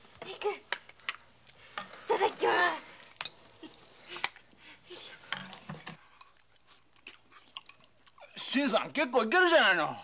頂きます新さん結構いけるじゃないの。